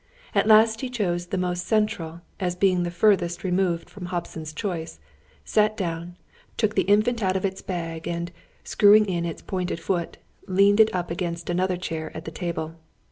At last he chose the most central, as being the furthest removed from Hobson's choice; sat down, took the Infant out of its bag, and, screwing in its pointed foot, leaned it up against another chair at the table.